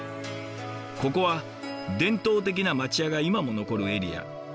ここは伝統的な町家が今も残るエリア。